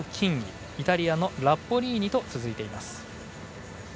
イタリアのラッボリーニと続いています。